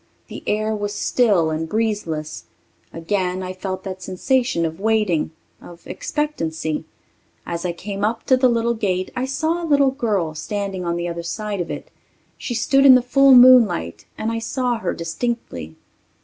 The air was still and breezeless; again I felt that sensation of waiting ... of expectancy. As I came up to the little gate I saw a young girl standing on the other side of it. She stood in the full moonlight and I saw her distinctly.